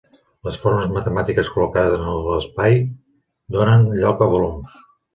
Les formes matemàtiques col·locades en l'espai donen lloc a volums.